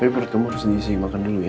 tapi perut kamu harus diisi makan dulu ya